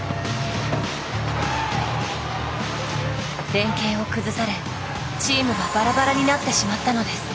連携を崩されチームがバラバラになってしまったのです。